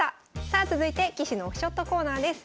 さあ続いて棋士のオフショットコーナーです。